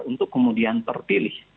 untuk kemudian terpilih